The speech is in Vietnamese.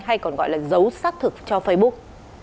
hay còn gọi là giấu xác thực cho facebook